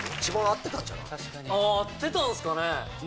合ってたんすかね。